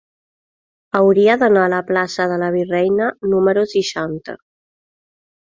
Hauria d'anar a la plaça de la Virreina número seixanta.